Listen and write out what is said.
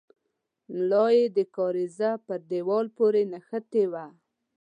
ملا يې د کارېزه پر دېوال پورې نښتې وه.